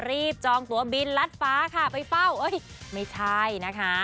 จองตัวบินรัดฟ้าค่ะไปเฝ้าเอ้ยไม่ใช่นะคะ